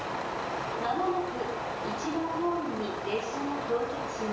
「まもなく１番ホームに列車が到着します。